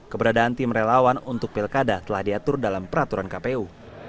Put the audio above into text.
keberadaan tim relawan untuk pilkada telah diatur dalam peraturan kpu